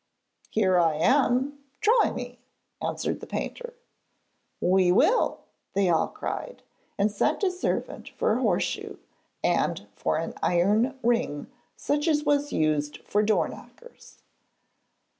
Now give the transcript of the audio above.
'Here I am; try me,' answered the painter. 'We will,' they all cried, and sent a servant for a horseshoe, and for an iron ring such as was used for doorknockers.